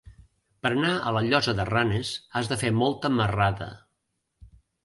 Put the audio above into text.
Per anar a la Llosa de Ranes has de fer molta marrada.